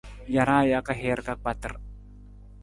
Jaraa jaka hiir ka kpatar.